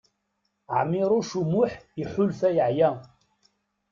Ɛmiṛuc U Muḥ iḥulfa yeɛya.